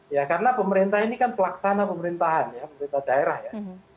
ya karena pemerintah ini kan pelaksana pemerintahan ya pemerintah daerah ya